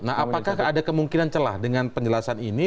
nah apakah ada kemungkinan celah dengan penjelasan ini